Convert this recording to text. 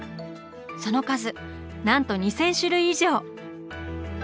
その数何と２，０００種類以上！